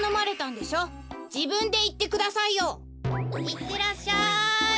いってらっしゃい！